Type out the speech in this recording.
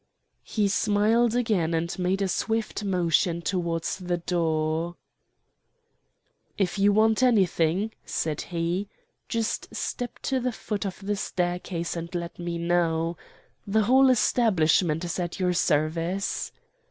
"He smiled again and made a swift motion towards the door. "'If you want anything,' said he, 'just step to the foot of the staircase and let me know. The whole establishment is at your service.